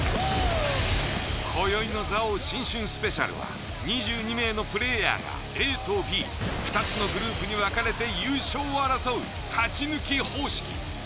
こよいの「座王新春ＳＰ」は２２名のプレーヤーがＡとＢ２つのグループに分かれて優勝を争う勝ち抜き方式。